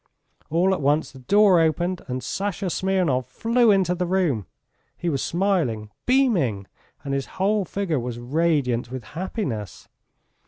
All at once the door opened and Sasha Smirnov flew into the room. He was smiling, beaming, and his whole figure was radiant with happiness.